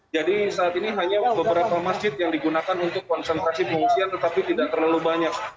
jadi saat ini hanya beberapa masjid yang digunakan untuk konsentrasi pengungsian tetapi tidak terlalu banyak